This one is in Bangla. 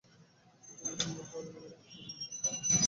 ভিতরে গিয়া ঘরে ঘরে ঘুরিয়া দেখিল, কেহ কোথাও নাই।